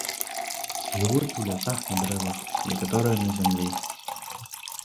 Жывуць у лясах на дрэвах, некаторыя на зямлі.